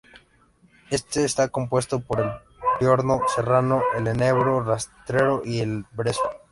Éste está compuesto por el piorno serrano, el enebro rastrero y el brezo.